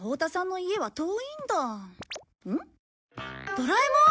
ドラえもん！